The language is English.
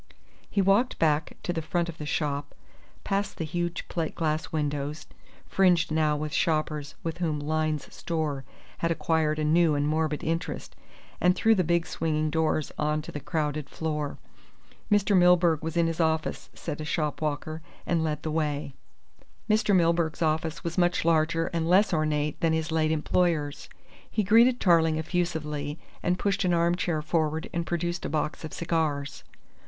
He walked back to the front of the shop, passed the huge plate glass windows, fringed now with shoppers with whom Lyne's Store had acquired a new and morbid interest, and through the big swinging doors on to the crowded floor. Mr. Milburgh was in his office, said a shop walker, and led the way. Mr. Milburgh's office was much larger and less ornate than his late employer's. He greeted Tarling effusively, and pushed an arm chair forward and produced a box of cigars.